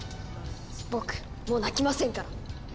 僕もう泣きませんから。